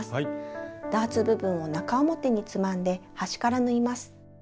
ダーツ部分を中表につまんで端から縫います。